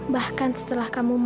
bahkan setelah kamu mati